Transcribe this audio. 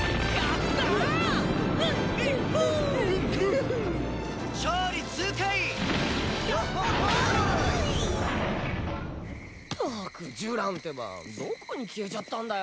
ったくジュランってばどこに消えちゃったんだよ。